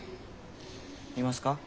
いますか？